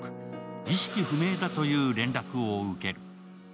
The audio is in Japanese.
意識不明だという連絡を受ける。